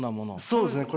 そうですね。